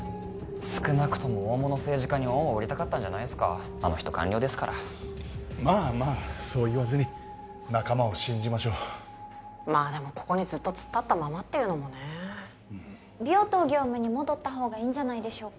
少なくとも大物政治家に恩を売りたかったんじゃないすかあの人官僚ですからまあまあそう言わずに仲間を信じましょうまあでもここにずっと突っ立ったままっていうのもね病棟業務に戻ったほうがいいんじゃないでしょうか？